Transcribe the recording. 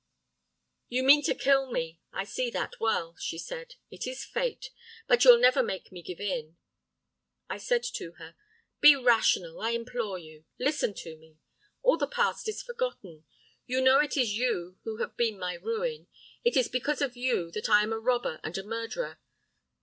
"'You mean to kill me, I see that well,' said she. 'It is fate. But you'll never make me give in.' "I said to her: 'Be rational, I implore you; listen to me. All the past is forgotten. Yet you know it is you who have been my ruin it is because of you that I am a robber and a murderer.